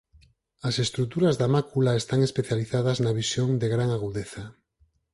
As estruturas da mácula están especializadas na visión de gran agudeza.